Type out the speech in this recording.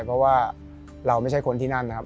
เพราะว่าเราไม่ใช่คนที่นั่นนะครับ